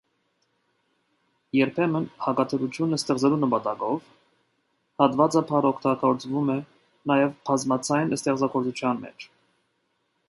Երբեմն, հակադրություն ստեղծելու նպատակով, հատվածաբար օգտագործվում է նաև բազմաձայն ստեղծագործության մեջ։